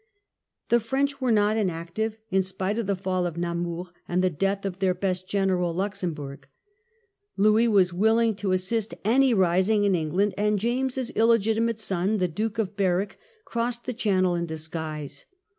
The French were not inactive, in spite of the fall of Namur and the death of their best general, Luxembourg. Louis was willing to assist any rising in Eng jacobite land, and James's illegitimate son, the Duke troubles, of Berwick, crossed the Channel in disguise.